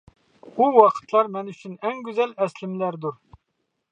ئۇ ۋاقىتلار مەن ئۈچۈن ئەڭ گۈزەل ئەسلىمىلەردۇر.